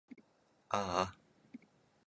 あーあ